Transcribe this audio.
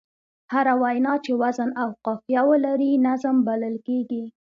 هره وينا چي وزن او قافیه ولري؛ نظم بلل کېږي.